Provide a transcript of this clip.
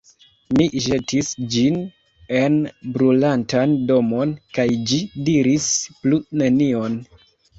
Mi ĵetis ĝin en brulantan domon, kaj ĝi diris plu nenion.